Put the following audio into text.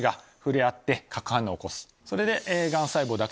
それで。